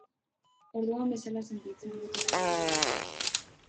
Orduan bezala sentitzen dut orain ere.